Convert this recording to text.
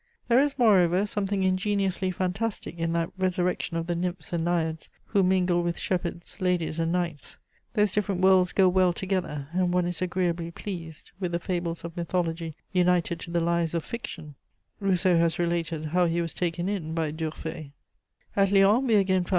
There is, moreover, something ingeniously fantastic in that resurrection of the nymphs and naiads who mingle with shepherds, ladies and knights: those different worlds go well together, and one is agreeably pleased with the fables of mythology united to the lies of fiction; Rousseau has related how he was taken in by d'Urfé. [Sidenote: Geneva.] At Lyons, we again found M.